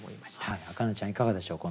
明音ちゃんいかがでしょう？